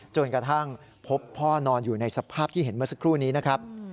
จนกระทั่งพบพ่อนอนอยู่ในสภาพที่เห็นเมื่อสักครู่นี้นะครับ